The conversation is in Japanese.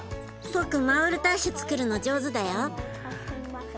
僕マウルタッシェつくるの上手だよ。